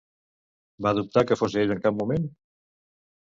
Va dubtar que fos ell en cap moment?